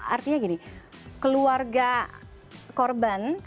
artinya gini keluarga korban keluarga penumpang